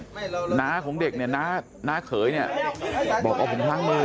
หน้าของเด็กเนี่ยหน้าเขยบอกเอาผงพลังมือ